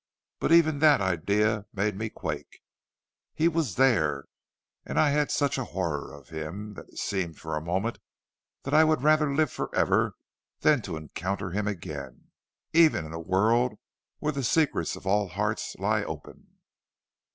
But even that idea made me quake. He was there, and I had such a horror of him, that it seemed for a moment that I would rather live forever than to encounter him again, even in a world where the secrets of all hearts lie open.